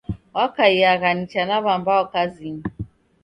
W'akaiagha nicha na w'ambao kazinyi.